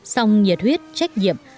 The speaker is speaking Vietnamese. sông nhiệt huyết trách nhiệm